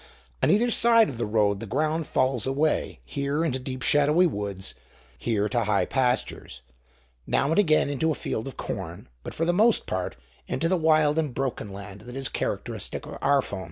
On either side of the road the ground falls away, here into deep shadowy woods, here to high pastures, now and again into a field of corn, but for the most part into the wild and broken land that is characteristic of Arfon.